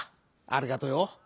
ありがとうよ。